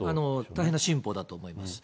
大変な進歩だと思います。